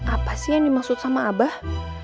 apa sih yang dimaksud sama abah